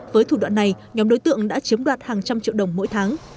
với thủ đoạn này nhóm đối tượng đã chiếm đoạt hàng trăm triệu đồng mỗi tháng